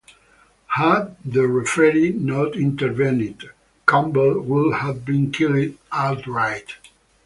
Had the referee not intervened, Campbell would have been killed outright.